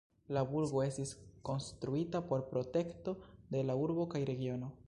La burgo estis konstruita por protekto de la urbo kaj regiono.